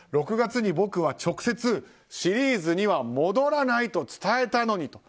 ６月に僕は直接シリーズには戻らないと伝えたのに。